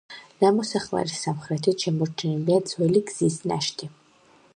ნამოსახლარის სამხრეთით შემორჩენილია ძველი გზის ნაშთი.